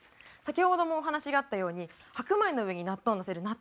先ほどもお話があったように白米の上に納豆をのせる